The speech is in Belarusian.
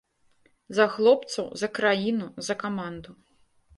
За хлопцаў, за краіну, за каманду.